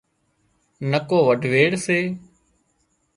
نڪو وڍويڙ سي